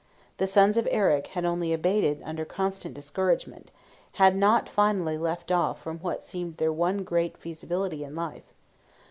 The sons of Eric had only abated under constant discouragement, had not finally left off from what seemed their one great feasibility in life.